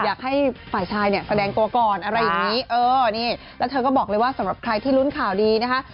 อยากให้ฝ่ายชายแสดงกลัวกรอะไรอย่างนี้แล้วเธอก็บอกเลยว่าสำหรับใครที่รุ้นข่าวดีนะคะ